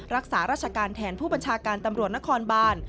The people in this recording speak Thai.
รักษาราชการแทนผู้บัญชาการตำรวจนครบาน